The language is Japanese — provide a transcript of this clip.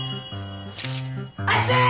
熱い！